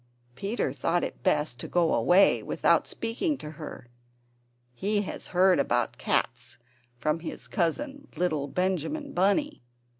Peter thought it best to go away without speaking to her; he had heard about cats from his cousin, little Benjamin Bunny.